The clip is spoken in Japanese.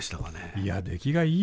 いや出来がいいですね。